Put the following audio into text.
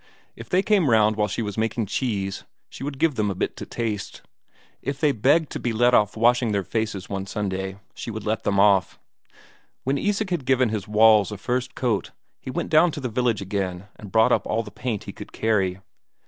If they came round while she was making cheese, she would give them a bit to taste; if they begged to be let off washing their faces one Sunday, she would let them off. When Isak had given his walls a first coat, he went down to the village again and brought up all the paint he could carry.